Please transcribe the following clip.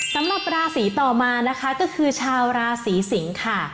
สำหรับราศีต่อมานะคะก็คือชาวราศีสิงค่ะ